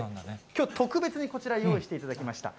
きょう特別にこちら、用意していただきました。